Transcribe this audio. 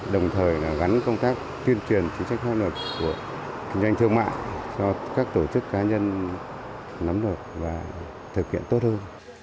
đồng thời gắn công tác tuyên truyền chính sách pháp luật của kinh doanh thương mại cho các tổ chức cá nhân nắm được và thực hiện tốt hơn